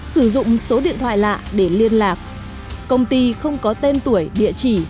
sử dụng số điện thoại lạ để liên lạc công ty không có tên tuổi địa chỉ